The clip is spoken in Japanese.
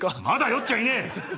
まだ酔っちゃいねえ。